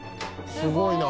すごいなあ。